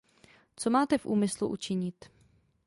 Co máte v úmyslu učinit?